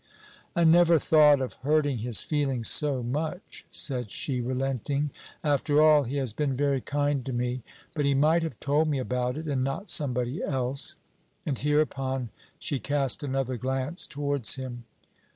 "I never thought of hurting his feelings so much," said she, relenting; "after all, he has been very kind to me. But he might have told me about it, and not somebody else." And hereupon she cast another glance towards him.